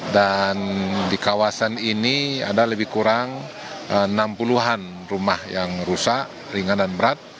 di kawasan ini ada lebih kurang enam puluh an rumah yang rusak ringan dan berat